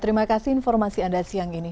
terima kasih informasi anda siang ini